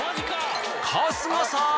春日さん